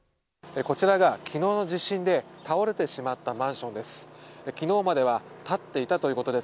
こちらが昨日の地震で倒れてしまったマンションです。